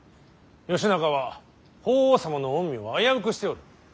義仲は法皇様の御身を危うくしておる。